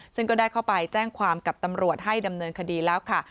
ซึ่งก็ได้เข้าไปแจ้งความกับตำรวจให้ดำเนินคดีแล้วค่ะ